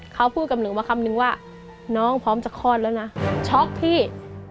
เขาพูดกับหนูมาคำนึงว่าน้องพร้อมจะคลอดแล้วนะช็อกพี่